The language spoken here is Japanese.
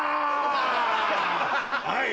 はい！